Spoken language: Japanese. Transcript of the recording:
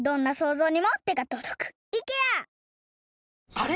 あれ？